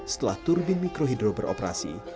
setelah turbin mikrohidro beroperasi